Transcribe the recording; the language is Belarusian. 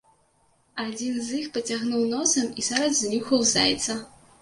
Адзін з іх пацягнуў носам і зараз знюхаў зайца.